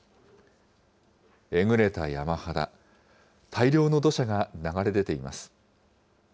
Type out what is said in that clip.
えぐれた山肌、大量の土砂が流れ出ています。